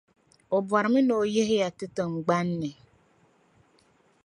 O bɔrimi ni o yihi ya yi tiŋgbani ni.